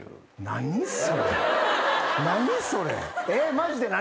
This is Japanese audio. マジで何？